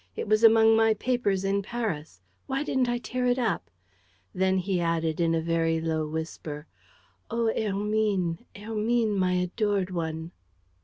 It was among my papers in Paris. ... Why didn't I tear it up? ..." Then he added, in a very low whisper, "Oh, Hermine, Hermine, my adored one!"